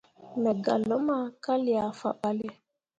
Me gah luma ka liah faɓalle.